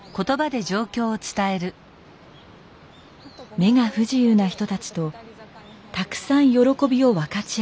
目が不自由な人たちとたくさん喜びを分かち合いたい。